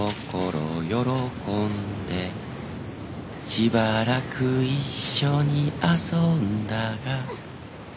「しばらく一緒に遊んだが」